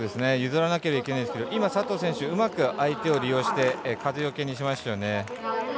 譲らなければいけないですけど佐藤選手、うまく相手を利用して風よけにしましたよね。